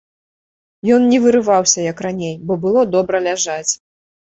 Ён не вырываўся, як раней, бо было добра ляжаць.